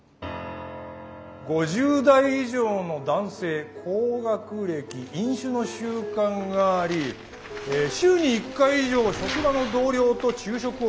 ５０代以上の男性高学歴飲酒の習慣があり週に１回以上職場の同僚と昼食を共にとること。